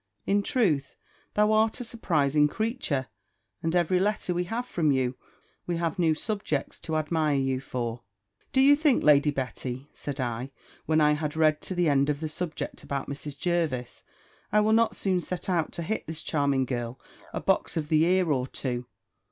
In truth, thou art a surprising creature; and every letter we have from you, we have new subjects to admire you for. "Do you think, Lady Betty," said I, when I had read to the end of the subject about Mrs. Jervis, "I will not soon set out to hit this charming girl a box of the ear or two?"